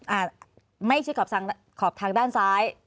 อ่าไม่ชิดขอบทางด้านซ้าย